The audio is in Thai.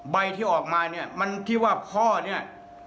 ใบที่ออกมาเนี่ยมันที่ว่าพ่อเนี่ย